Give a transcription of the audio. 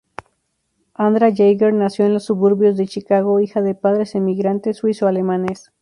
Andra Jaeger nació en los suburbios de Chicago, hija de padres emigrantes suizo-alemanes.